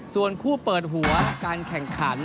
ส่วนคู่เปิดหัวการแข่งขัน